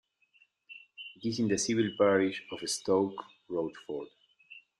It is in the civil parish of Stoke Rochford.